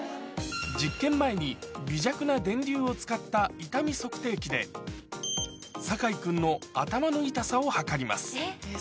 実験前に微弱な電流を使った痛み測定器で、酒井君の頭の痛さを測ります。